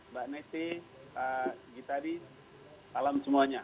mbak neti pak gita di salam semuanya